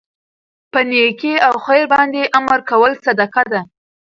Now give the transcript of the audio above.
په نيکي او خیر باندي امر کول صدقه ده